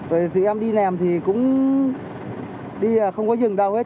rồi tụi em đi nèm thì cũng đi không có dừng đâu hết